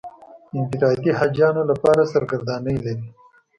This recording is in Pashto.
انفرادي حاجیانو لپاره سرګردانۍ لري.